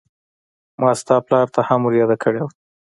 ما ستا پلار ته هم ور ياده کړې وه.